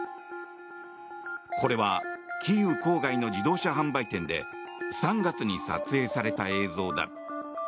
これはキーウ郊外の自動車販売店で３月に撮影された映像だ。